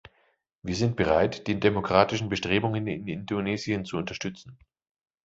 Wir sind bereit, die demokratischen Bestrebungen in Indonesien zu unterstützen.